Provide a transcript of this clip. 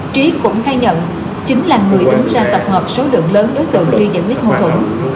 trí cũng khai nhận chính là người đúng ra tập hợp số lượng lớn đối tượng đi giải quyết ngôn thủng